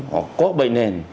họ có bệnh nền